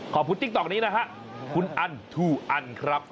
ติ๊กต๊อกนี้นะฮะคุณอันทูอันครับ